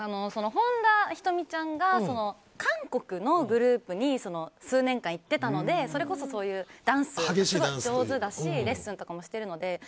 本田仁美ちゃんが韓国のグループに数年間行ってたのでそれこそダンス上手だしレッスンとかもしているので。